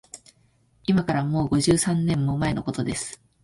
いまから、もう五十三年も前のことです